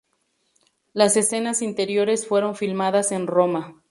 Las escenas interiores fueron filmadas en Roma.